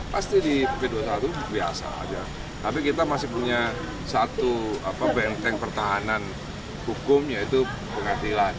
pasti di pp dua puluh satu biasa aja tapi kita masih punya satu benteng pertahanan hukum yaitu pengadilan